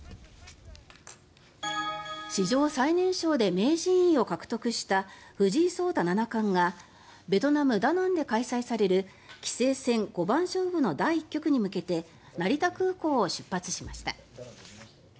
史上最年少で名人位を獲得した藤井聡太七冠がベトナム・ダナンで開催される棋聖戦五番勝負の第１局に向けて成田空港を出発しました。